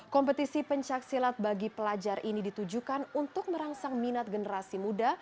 kompetisi pencaksilat bagi pelajar ini ditujukan untuk merangsang minat generasi muda